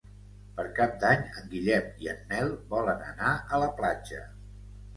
Per Cap d'Any en Guillem i en Nel volen anar a la platja.